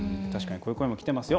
こういう声もきてますよ。